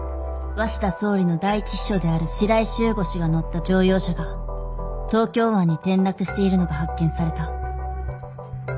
鷲田総理の第一秘書である白井柊吾氏が乗った乗用車が東京湾に転落しているのが発見された。